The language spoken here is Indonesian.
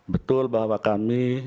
betul bahwa kami